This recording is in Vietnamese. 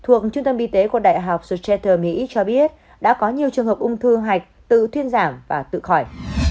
thuộc trung tâm bi tế của đại học st peter mỹ cho biết đã có nhiều trường hợp ung thư hạch tự thiên giảm và tự khỏi